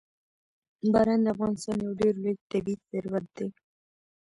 باران د افغانستان یو ډېر لوی طبعي ثروت دی.